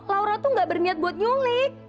laura tuh gak berniat buat nyulik